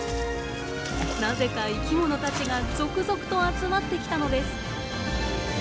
なぜか生きものたちが続々と集まってきたのです。